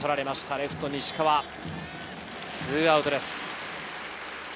レフトの西川、２アウトです。